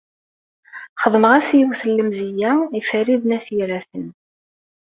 Xedmeɣ-as yiwet n lemzeyya i Farid n At Yiraten.